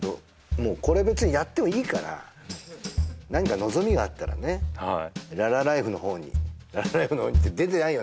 もうこれ別にやってもいいから何か望みがあったらね「ララＬＩＦＥ」の方に「ララＬＩＦＥ」の方にって出てないよ